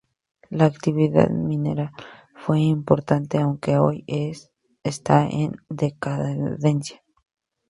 La actividad minera fue importante, aunque hoy está en decadencia.